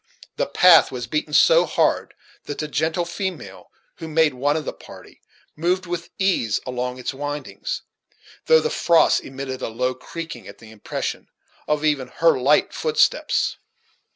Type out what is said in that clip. The path was beaten so hard that the gentle female, who made one of the party, moved with ease along its windings; though the frost emitted a low creaking at the impression of even her light footsteps.